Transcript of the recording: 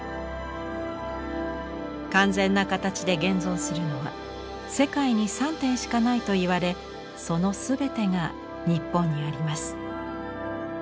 完全な形で現存するのは世界に３点しかないといわれその全てが日本にあります。